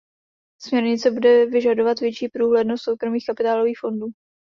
Směrnice bude vyžadovat větší průhlednost soukromých kapitálových fondů.